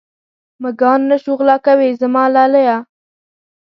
مږان نه شو غلا کوې زما لالیه.